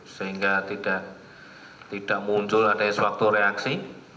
sehingga tidak muncul ada suatu reaksi